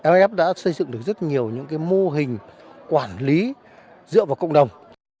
iff đã xây dựng được rất nhiều những mô hình quản lý dựa vào cộng đồng